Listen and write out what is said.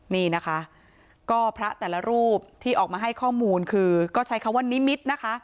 นี่นะคะก็พระแต่ละรูปที่ออกมาให้ข้อมูลคือก็ใช้คำว่านิมิตรนะคะ